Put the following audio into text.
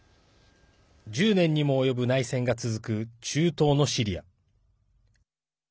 １０年にも及ぶ内戦が続く中東のシリア。